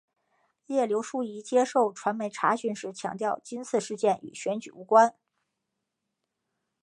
叶刘淑仪接受传媒查询时强调今次事件与选举无关。